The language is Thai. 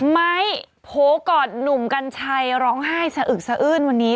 ไม้โผล่กอดหนุ่มกัญชัยร้องไห้สะอึกสะอื้นวันนี้